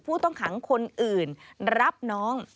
ผู้ต้องขังคนอื่นรับน้อง